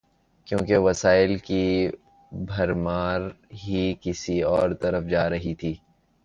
کیونکہ وسائل کی بھرمار ہی کسی اور طرف جا رہی تھی۔